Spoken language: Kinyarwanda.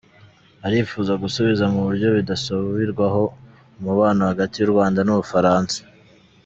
arifuza gusubiza mu buryo ’bidasubirwaho’ umubano hagati y’u Rwanda n’u Bufaransa